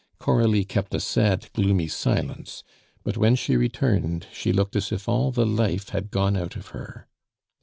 Coralie kept a sad, gloomy silence, but when she returned she looked as if all the life had gone out of her.